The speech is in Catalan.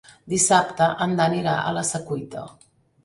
Dissabte en Dan irà a la Secuita.